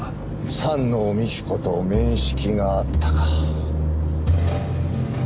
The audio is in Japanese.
山王美紀子と面識があったか。